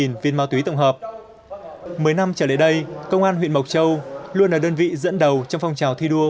một mươi năm mấy năm trở lại đây công an huyện mộc châu luôn là đơn vị dẫn đầu trong phong trào thi đua